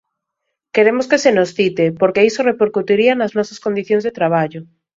Queremos que se nos cite porque iso repercutiría nas nosas condicións de traballo.